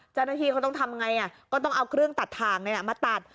เจ้าหน้าที่เขาต้องทำไงก็ต้องเอาเครื่องตัดถ่างมาตัด